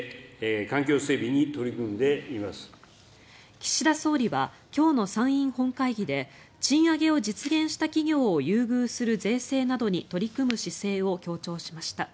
岸田総理は今日の参院本会議で賃上げを実現した企業を優遇する税制などに取り組む姿勢を強調しました。